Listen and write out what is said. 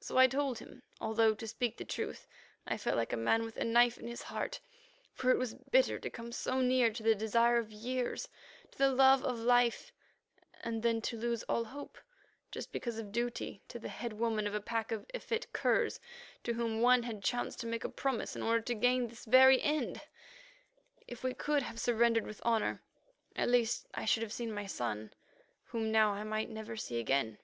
So I told him, although, to speak the truth, I felt like a man with a knife in his heart, for it was bitter to come so near to the desire of years, to the love of life, and then to lose all hope just because of duty to the head woman of a pack of effete curs to whom one had chanced to make a promise in order to gain this very end. If we could have surrendered with honour, at least I should have seen my son, whom now I might never see again.